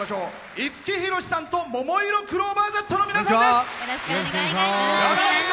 五木ひろしさんとももいろクローバーＺの皆さんです。